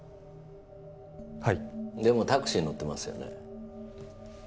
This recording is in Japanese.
はいでもタクシー乗ってますよね？